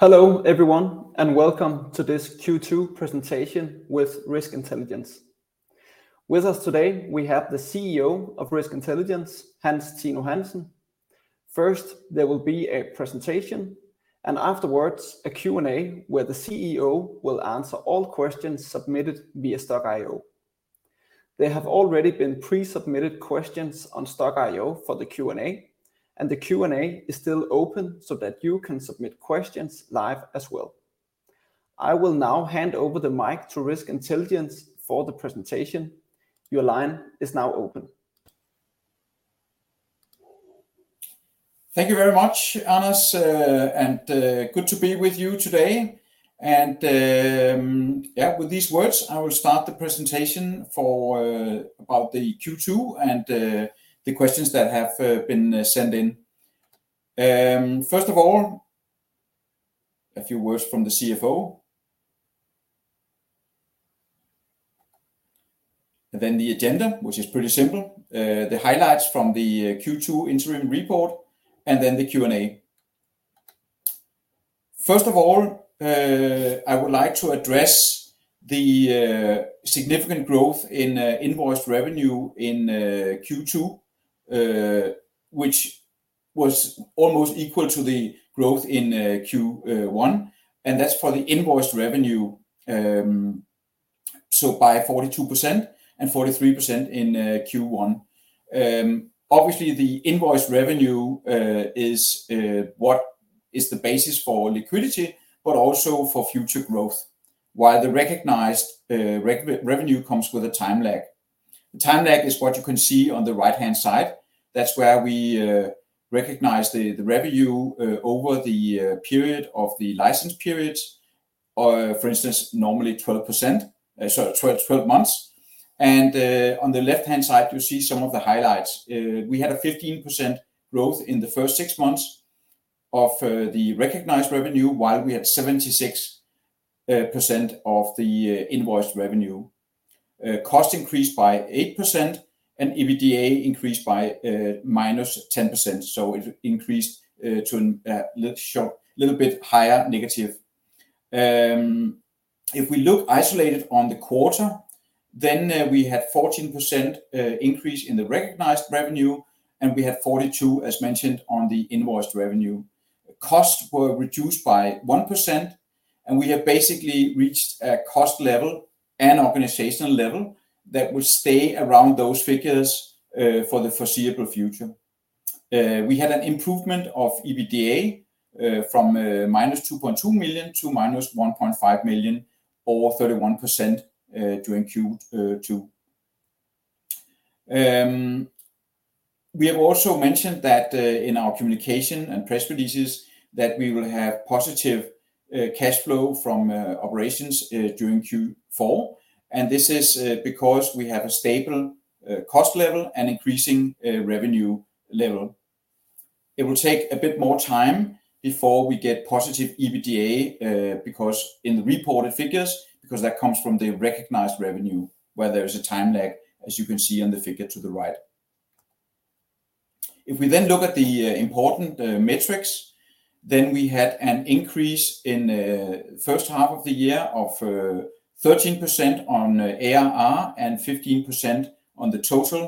Hello, everyone. Welcome to this Q2 presentation with Risk Intelligence. With us today, we have the Chief Executive Officer of Risk Intelligence, Hans Tino Hansen. First, there will be a presentation, and afterwards a Q&A, where the Chief Executive Officer will answer all questions submitted via Stokk.io. There have already been pre-submitted questions on Stokk.io for the Q&A. The Q&A is still open so that you can submit questions live as well. I will now hand over the mic to Risk Intelligence for the presentation. Your line is now open. Thank you very much, Anders, and good to be with you today. With these words, I will start the presentation about the Q2 and the questions that have been sent in. First of all, a few words from the Chief Financial Officer. The agenda, which is pretty simple, the highlights from the Q2 interim report, and then the Q&A. First of all, I would like to address the significant growth in invoiced revenue in Q2, which was almost equal to the growth in Q1, and that's for the invoiced revenue. By 42% and 43% in Q1. Obviously, the invoiced revenue is what is the basis for liquidity, but also for future growth, while the recognized revenue comes with a time lag. The time lag is what you can see on the right-hand side. That's where we recognize the revenue over the period of the license periods, or for instance, normally 12 months. On the left-hand side, you see some of the highlights. We had a 15% growth in the first six months of the recognized revenue, while we had 76% of the invoiced revenue. Cost increased by 8%, and EBITDA increased by -10%, so it increased to show little bit higher negative. If we look isolated on the quarter, then we had 14% increase in the recognized revenue, and we had 42%, as mentioned, on the invoiced revenue. Costs were reduced by 1%, and we have basically reached a cost level and organizational level that will stay around those figures for the foreseeable future. We had an improvement of EBITDA from -2.2 million to -1.5 million, or 31%, during Q2. We have also mentioned that in our communication and press releases, that we will have positive cash flow from operations during Q4, and this is because we have a stable cost level and increasing revenue level. It will take a bit more time before we get positive EBITDA because in the reported figures, because that comes from the recognized revenue, where there is a time lag, as you can see on the figure to the right. If we then look at the important metrics, we had an increase in the first half of the year of 13% on ARR and 15% on the total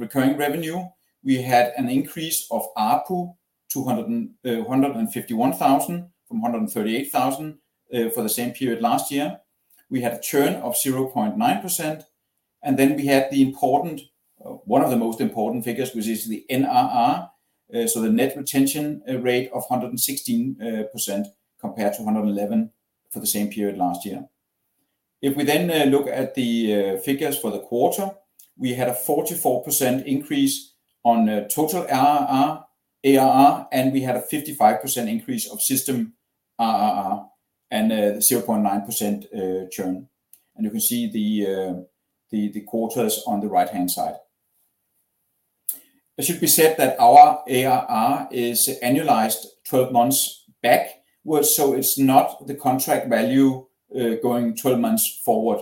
recurring revenue. We had an increase of ARPU, $251,000 from $138,000 for the same period last year. We had a churn of 0.9%, we then had the important, one of the most important figures, which is the NRR. The net retention rate of 116%, compared to 111% for the same period last year. We then, look at the, figures for the quarter, we had a 44% increase on total ARR and we had a 55% increase of system ARR, and 0.9% churn. You can see the quarters on the right-hand side. It should be said that our ARR is annualized 12 months back, so it's not the contract value, going 12 months forward.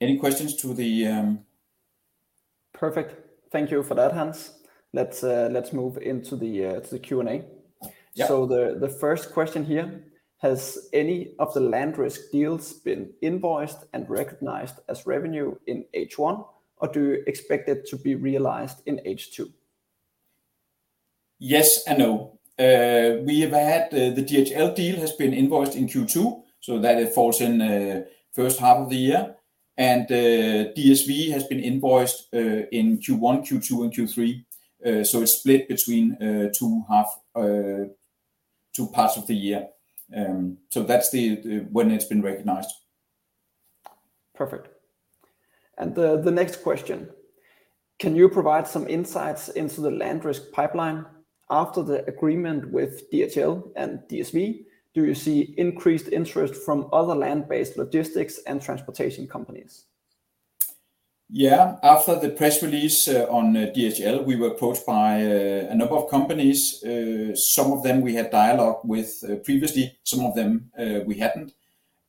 Any questions to this? Perfect. Thank you for that, Hans. Let's move to the Q&A. The first question here: Has any of the LandRisk deals been invoiced and recognized as revenue in H1 or do you expect it to be realized in H2? Yes and no. We have had the DHL deal has been invoiced in Q2, so that it falls in the first half of the year. DSV has been invoiced in Q1, Q2, and Q3. It's split between two parts of the year. That's when it's been recognized. Perfect. The, the next question: Can you provide some insights into the LandRisk pipeline after the agreement with DHL and DSV? Do you see increased interest from other land-based logistics and transportation companies? Yeah, after the press release on DHL, we were approached by a number of companies. Some of them we had dialogue with previously, some of them, we hadn't.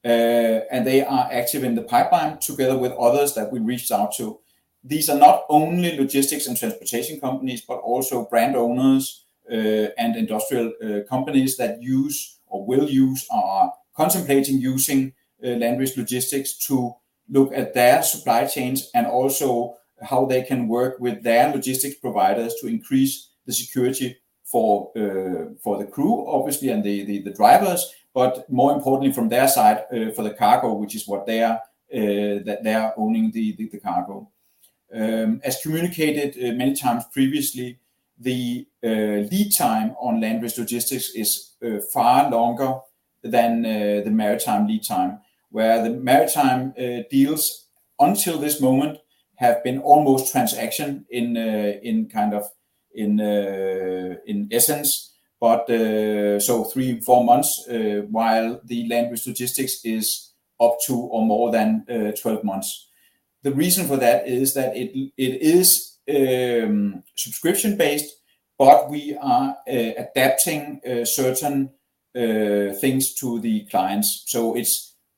They are active in the pipeline together with others that we reached out to. These are not only logistics and transportation companies, but also brand owners, and industrial companies that use or will use, or are contemplating using, LandRisk Logistics to look at their supply chains, and also how they can work with their logistics providers to increase the security for the crew, obviously, and the, the, the drivers, but more importantly, from their side, for the cargo, which is what they are, that they are owning the cargo. As communicated many times previously, the lead time on LandRisk Logistics is far longer than the maritime lead time, where the maritime deals until this moment have been almost transaction in kind of in essence, but so three, four months, while the LandRisk Logistics is up to or more than 12 months. The reason for that is that it, it is subscription-based, but we are adapting certain things to the clients.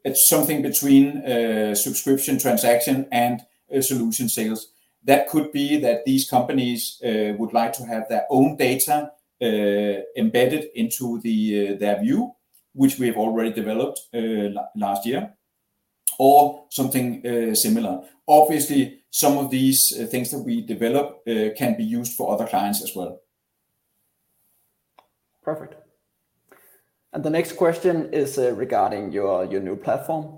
It's something between subscription, transaction, and solution sales. That could be that these companies would like to have their own data embedded into their view, which we have already developed last year or something similar. Obviously, some of these things that we develop can be used for other clients as well. Perfect. The next question is regarding your new platform.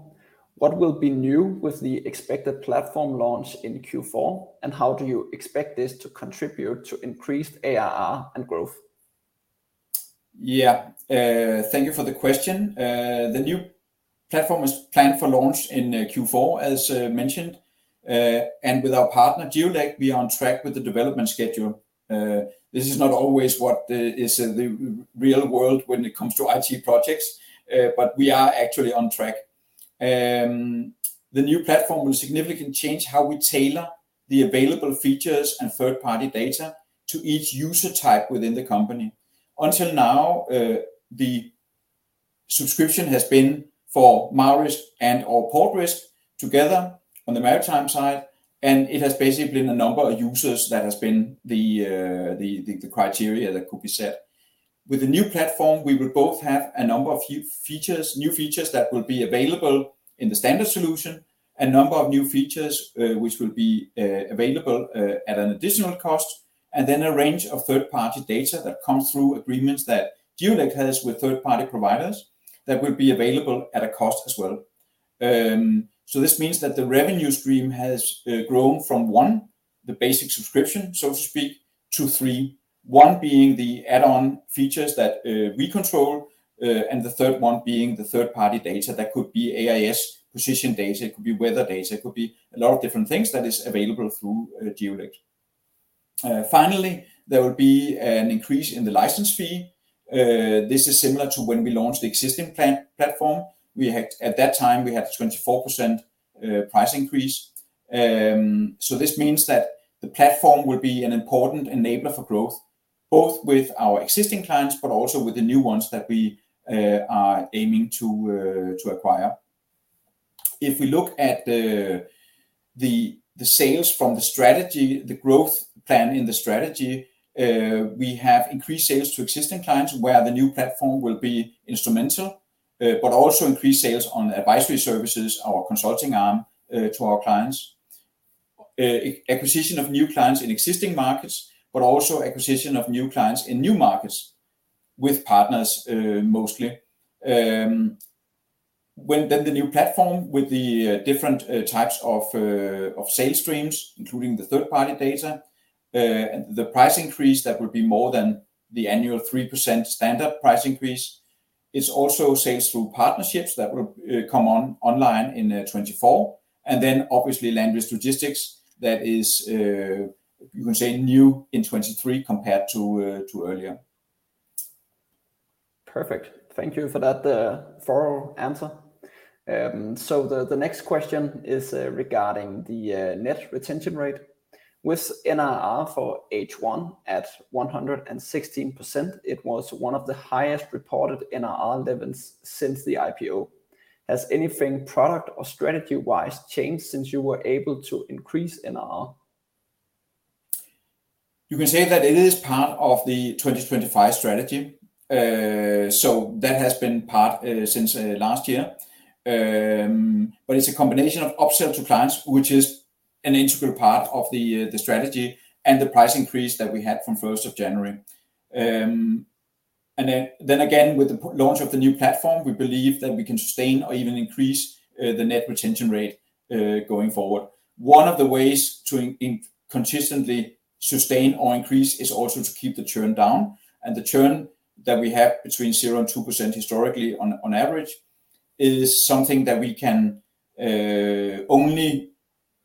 What will be new with the expected platform launch in Q4 and how do you expect this to contribute to increased ARR and growth? Thank you for the question. The new platform is planned for launch in Q4, as mentioned, and with our partner, Geollect, we are on track with the development schedule. This is not always what is in the real world when it comes to IT projects, but we are actually on track. The new platform will significantly change how we tailor the available features and third-party data to each user type within the company. Until now, the subscription has been for MaRisk and/or PortRisk together on the maritime side, and it has basically been the number of users that has been the criteria that could be set. With the new platform, we will both have a number of few features, new features that will be available in the standard solution, a number of new features, which will be available at an additional cost, and then a range of third-party data that comes through agreements that Geollect has with third-party providers that will be available at a cost as well. This means that the revenue stream has grown from one, the basic subscription, so to speak, to three, one being the add-on features that we control, and the third one being the third-party data. That could be AIS position data, it could be weather data, it could be a lot of different things that is available through Geollect. Finally, there will be an increase in the license fee. This is similar to when we launched the existing plan, platform. At that time, we had 24% price increase. This means that the platform will be an important enabler for growth, both with our existing clients, but also with the new ones that we are aiming to acquire. If we look at the sales from the strategy, the growth plan in the strategy, we have increased sales to existing clients where the new platform will be instrumental, but also increase sales on advisory services, our consulting arm, to our clients. Acquisition of new clients in existing markets, but also acquisition of new clients in new markets with partners, mostly. When then the new platform with the different types of sales streams, including the third-party data, the price increase, that would be more than the annual 3% standard price increase, is also sales through partnerships that will come on-online in 2024, and then obviously LandRisk Logistics, that is, you can say new in 2023 compared to earlier. Perfect. Thank you for that, thorough answer. The next question is regarding the net retention rate. With NRR for H1 at 116%, it was one of the highest reported NRR levels since the IPO. Has anything product or strategy-wise changed since you were able to increase NRR? You can say that it is part of the 2025 strategy, that has been part since last year. It's a combination of upsell to clients, which is an integral part of the strategy and the price increase that we had from January 1st. Then again, with the launch of the new platform, we believe that we can sustain or even increase the net retention rate going forward. One of the ways to consistently sustain or increase is also to keep the churn down, and the churn that we have between 0% and 2% historically on average, is something that we can only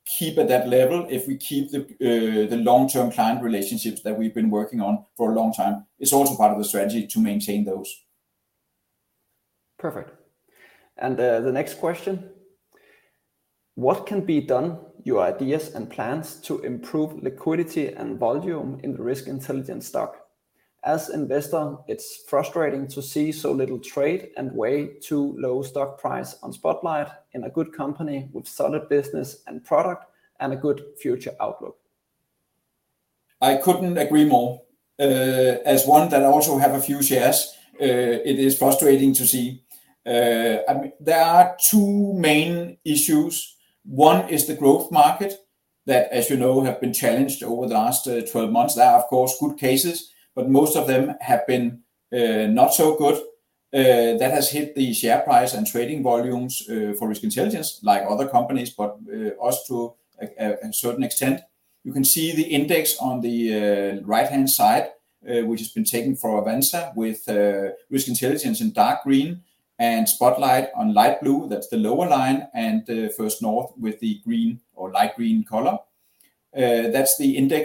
keep at that level if we keep the long-term client relationships that we've been working on for a long time. It's also part of the strategy to maintain those. Perfect. The next question: What can be done, your ideas and plans, to improve liquidity and volume in the Risk Intelligence stock? As an investor, it's frustrating to see so little trade and way too low stock price on Spotlight Stock Market, in a good company with solid business and product and a good future outlook. I couldn't agree more. As one that also have a few shares, it is frustrating to see. I mean, there are two main issues. One is the growth market, that, as you know, have been challenged over the last 12 months. There are, of course, good cases, but most of them have been not so good. That has hit the share price and trading volumes for Risk Intelligence, like other companies, but us to a certain extent. You can see the index on the right-hand side, which has been taken from Avanza, with Risk Intelligence in dark green and Spotlight on light blue, that's the lower line, and First North with the green or light green color. That's the index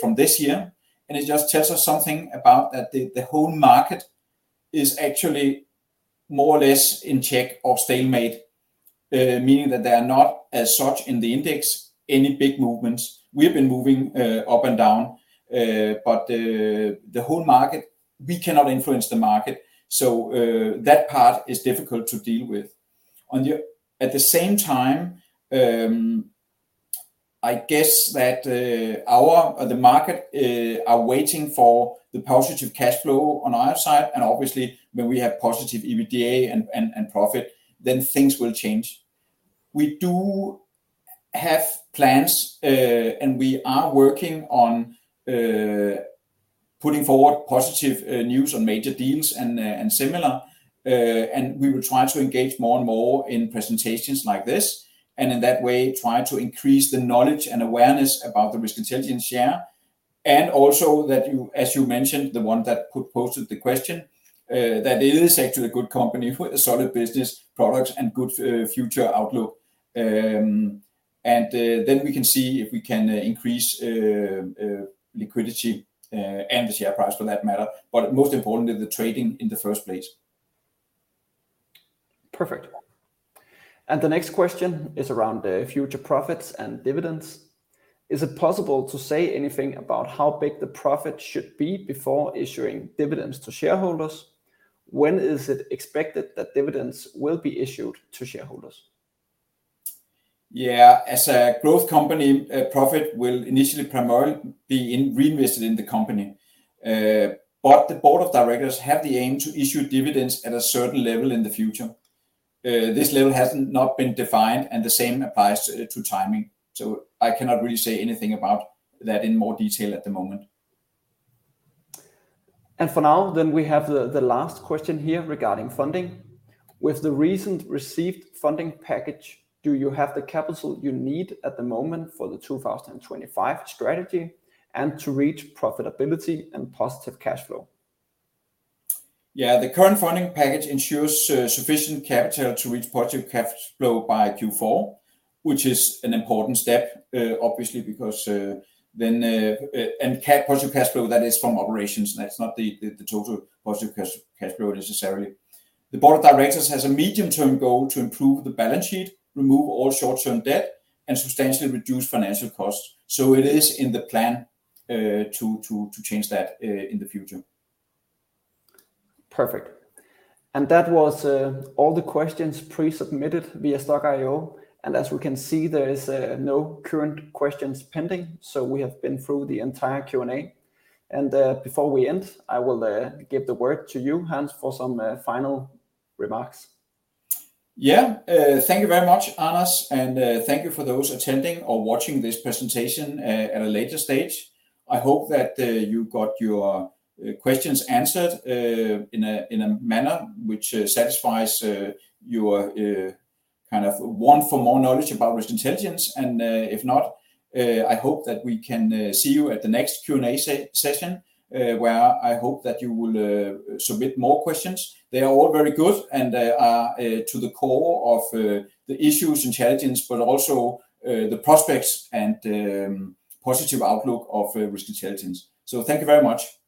from this year. It just tells us something about that the whole market is actually more or less in check or stalemate, meaning that they are not as such in the index, any big movements. We have been moving up and down. The whole market, we cannot influence the market. That part is difficult to deal with. At the same time, I guess that our the market are waiting for the positive cash flow on our side. Obviously, when we have positive EBITDA and profit, then things will change. We do have plans, and we are working on putting forward positive news on major deals and and similar, and we will try to engage more and more in presentations like this, and in that way, try to increase the knowledge and awareness about the Risk Intelligence share, and also that you, as you mentioned, the one that posted the question, that it is actually a good company with a solid business, products, and good future outlook. Then we can see if we can increase liquidity and the share price for that matter, but most importantly, the trading in the first place. Perfect. The next question is around the future profits and dividends. Is it possible to say anything about how big the profit should be before issuing dividends to shareholders? When is it expected that dividends will be issued to shareholders? As a growth company, profit will initially primarily be reinvested in the company. The Board of Directors have the aim to issue dividends at a certain level in the future. This level has not been defined, and the same applies to, to timing, so I cannot really say anything about that in more detail at the moment. For now, we have the last question here regarding funding: With the recent received funding package, do you have the capital you need at the moment for the 2025 strategy and to reach profitability and positive cash flow? The current funding package ensures sufficient capital to reach positive cash flow by Q4, which is an important step, obviously. Positive cash flow, that is from operations, that's not the total positive cash flow necessarily. The Board of Directors has a medium-term goal to improve the balance sheet, remove all short-term debt, and substantially reduce financial costs. It is in the plan to change that in the future. Perfect. That was all the questions pre-submitted via Stokk.io. As we can see, there is no current questions pending so we have been through the entire Q&A. Before we end, I will give the word to you, Hans, for some final remarks. Yeah. Thank you very much, Anders, and thank you for those attending or watching this presentation at a later stage. I hope that you got your questions answered in a manner which satisfies your kind of want for more knowledge about Risk Intelligence. If not, I hope that we can see you at the next Q&A session where I hope that you will submit more questions. They are all very good and they are to the core of the issues in Intelligence, but also the prospects and positive outlook of Risk Intelligence. Thank you very much.